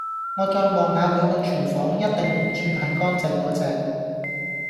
我再望下佢個"廚房"一定唔算係乾淨果隻